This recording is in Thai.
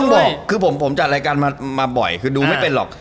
ผมบอกคือผมจัดรายการมาบ่อยคือดูไม่เป็นหรอก